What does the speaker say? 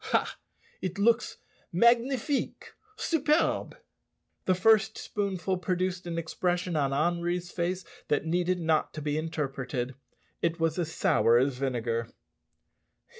Ha! it looks magnifique superb!" The first spoonful produced an expression on Henri's face that needed not to be interpreted. It was as sour as vinegar.